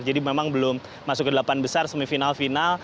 jadi memang belum masuk ke delapan besar semifinal final